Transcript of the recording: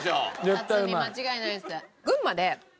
カツ煮間違いないです。